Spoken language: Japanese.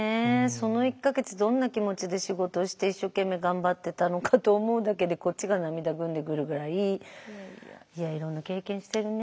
その１か月どんな気持ちで仕事して一生懸命頑張ってたのかと思うだけでこっちが涙ぐんでくるぐらいいやいろんな経験してるね。